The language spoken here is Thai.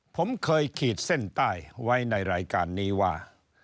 ผมเคยขีดเส้นใต้ไว้ในรายการนี้ว่า